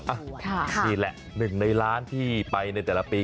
นี่แหละหนึ่งในล้านที่ไปในแต่ละปี